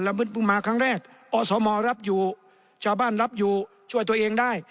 เพิ่งมาครั้งแรกอสมรับอยู่ชาวบ้านรับอยู่ช่วยตัวเองได้